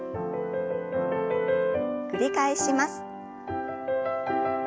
繰り返します。